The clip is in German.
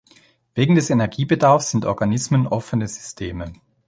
Wegen des Energiebedarfs sind Organismen offene Systeme.